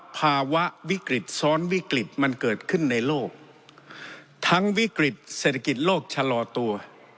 ภาวะวิกฤตซ้อนวิกฤตมันเกิดขึ้นในโลกทั้งวิกฤตเศรษฐกิจโลกชะลอตัว